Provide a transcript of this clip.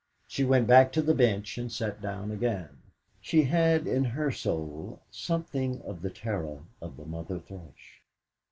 She went back to the bench and sat down again. She had in her soul something of the terror of the mother thrush.